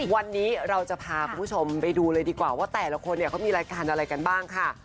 วันนี้เราจะพาคุณผู้ชมไปดูเลยดีกว่าว่าแต่ละคนเนี่ยเขามีรายการอะไรกันบ้างค่ะ